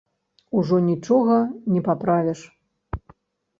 Ужо нічога не паправіш.